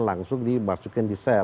langsung dimasukin di sel